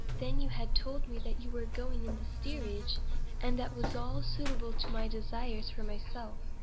Then you had told me you were going in the steerage; and that was all suitable to my desires for myself."